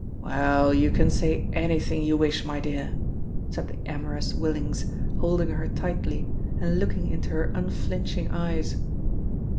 "Well, you can say anything you wish, my dear," said the amorous Willings, holding her tightly, and looking into her unflinching eyes.